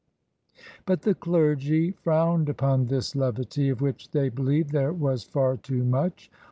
But the clergy frowned upon this levity, of which they believed there was far too much.